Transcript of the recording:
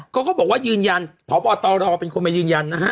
เขาบอกว่ายืนยันพบตรเป็นคนมายืนยันนะฮะ